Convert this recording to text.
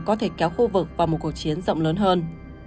có thể kéo khu vực vào một cuộc chiến rộng lớn hơn